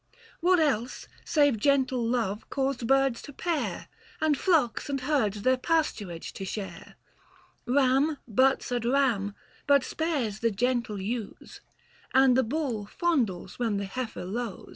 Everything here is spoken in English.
What else save gentle love caused birds to pair, no And flocks and herds their pasturage to share ? Earn butts at ram, but spares the gentle ewes, And the bull fondles when the heifer lows. Book IV.